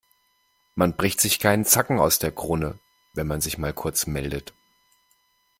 Man bricht sich keinen Zacken aus der Krone, wenn man sich mal kurz meldet.